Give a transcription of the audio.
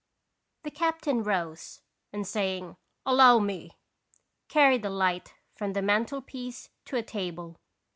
'" The captain rose, and saying "Allow me," carried a light from the mantelpiece to a table.